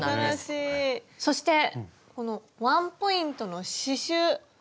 そしてこのワンポイントの刺しゅう！